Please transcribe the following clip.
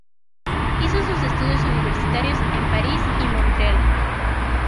Hizo sus estudios universitarios en París y Montreal.